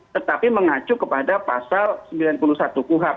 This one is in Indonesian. tetapi mengacu kepada pasal sembilan puluh satu kuhap